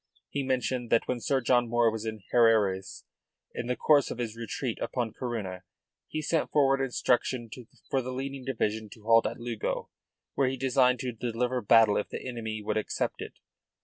He mentioned that when Sir John Moore was at Herrerias, in the course of his retreat upon Corunna, he sent forward instructions for the leading division to halt at Lugo, where he designed to deliver battle if the enemy would accept it.